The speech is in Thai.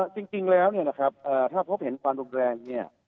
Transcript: จริงแล้วถ้าพบเห็นความรุนแรงเนี่ย